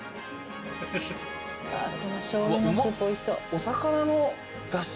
お魚のだし？